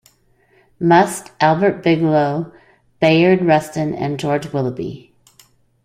Muste, Albert Bigelow, Bayard Rustin and George Willoughby.